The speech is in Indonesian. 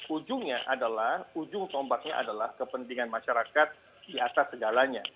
ujungnya adalah ujung tombaknya adalah kepentingan masyarakat di atas segalanya